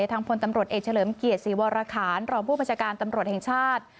ทางพลตำรวจเอกเฉลิมเกียรติศรีวรคารรองผู้บัญชาการตำรวจแห่งชาติ